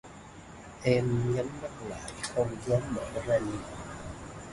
Em nhắm mắt lại không dám mở ra nhìn